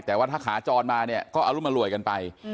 แต่ว่าถ้าขาจรมาเนี่ยก็อรุมอร่วยกันไป